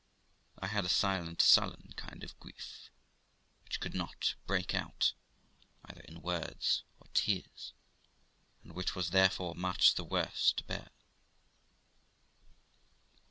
I had a silent, sullen kind of grief, which could not break out either in words or tears, and which was therefore much the worse to bear.